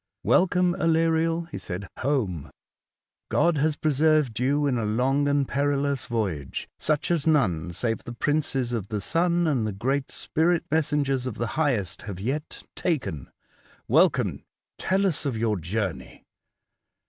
''Welcome, Aleriel, he said, home ! God has preserved you in a long and perilous voyage, such as none, save the princes of the sun and the great spirit messengers of the Highest, have yet taken. Welcome, tell us of your journey!